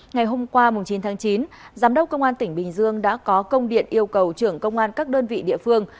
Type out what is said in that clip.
ngày hôm qua chín tháng chín giám đốc công an tỉnh bình dương đã có công điện yêu cầu trưởng công an các đơn vị địa phương